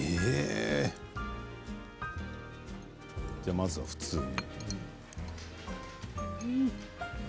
まずは普通に。